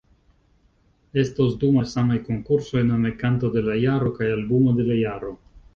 Estos du malsamaj konkursoj, nome Kanto de la Jaro kaj Albumo de la Jaro.